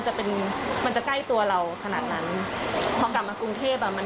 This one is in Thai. จะเป็นมันจะใกล้ตัวเราขนาดนั้นพอกลับมากรุงเทพอ่ะมัน